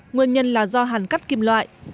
nguyên nhân là do hàn cắt kim loại